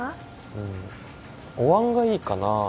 うーんおわんがいいかな。